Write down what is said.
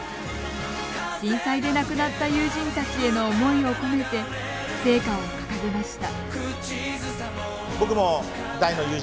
震災で亡くなった友人たちへの思いを込めて聖火を掲げました。